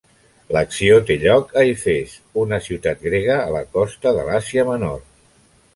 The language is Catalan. L'acció té lloc a Efes, una ciutat grega a la costa de l'Àsia Menor.